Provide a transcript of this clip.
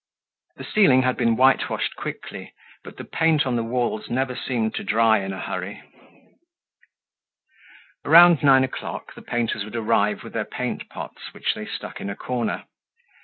The ceiling had been whitewashed quickly, but the paint on the walls never seemed to dry in a hurry. Around nine o'clock the painters would arrive with their paint pots which they stuck in a corner.